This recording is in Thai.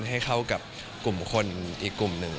ให้เข้ากับกลุ่มคนอีกกลุ่มหนึ่ง